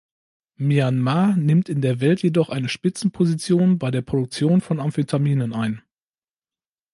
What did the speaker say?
Myanmar nimmt in der Welt jedoch eine Spitzenposition bei der Produktion von Amphetaminen ein.